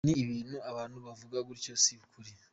Ni ibintu abantu bavuga gutyo, si ukuri.